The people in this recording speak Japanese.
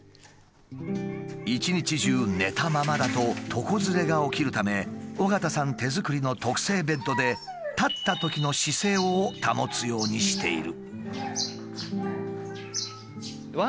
一日中寝たままだと床ずれが起きるため緒方さん手作りの特製ベッドで立ったときの姿勢を保つようにしている。